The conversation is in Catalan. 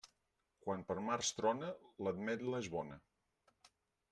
Quan per març trona, l'ametla és bona.